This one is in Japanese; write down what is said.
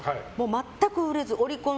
全く売れずオリコン